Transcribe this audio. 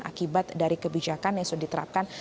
akibat dari kebijakan yang sudah diterapkan